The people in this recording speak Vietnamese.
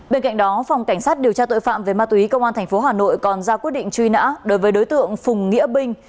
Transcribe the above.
bên cạnh đó phòng cảnh sát điều tra tội phạm về ma túy công an tp hà nội còn ra quyết định truy nã đối với đối tượng phùng nghĩa binh